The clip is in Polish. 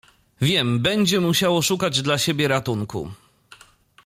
"Wiem będzie musiało szukać dla siebie ratunku."